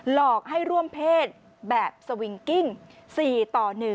หลอกให้ร่วมเพศแบบสวิงกิ้ง๔ต่อ๑